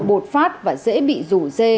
bột phát và dễ bị rủ dê